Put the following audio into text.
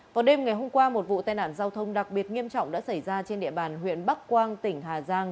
vào đêm ngày hôm qua một vụ tai nạn giao thông đặc biệt nghiêm trọng đã xảy ra trên địa bàn huyện bắc quang tỉnh hà giang